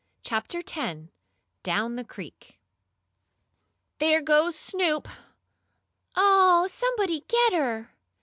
CHAPTER X DOWN THE CREEK "There goes Snoop!" "Oh, somebody get her!"